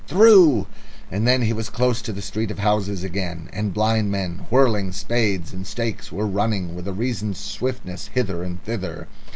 Through! And then he was close to the street of houses again, and blind men, whirling spades and stakes, were running with a sort of reasoned swiftness hither and thither.